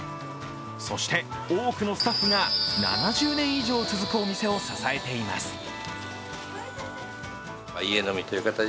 そして、多くのスタッフが７０年以上続くお店を支えています。